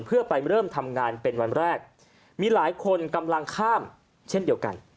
เพื่อไปเริ่มทำงานเป็นวันแรกมีหลายคนกำลังข้ามเช่นเดียวกัน